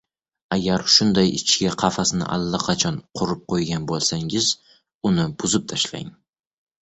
Agar shunday ichki qafasni allaqachon qurib qoʻygan boʻlsangiz, uni buzib tashlang.